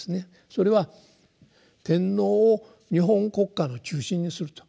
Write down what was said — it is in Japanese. それは天皇を日本国家の中心にすると。